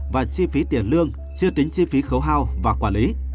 và chi phí tiền lương chưa tính chi phí khấu hao và quản lý